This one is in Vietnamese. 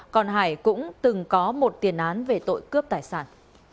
còn hải cũng từng có một tiền án về tội cướp tài sản